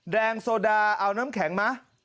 แดงโซดาเอาน้ำแข็งมา